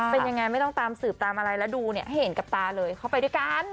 เป็นยังไงไม่ต้องตามสืบตามอะไรแล้วดูเนี่ยให้เห็นกับตาเลยเขาไปด้วยกัน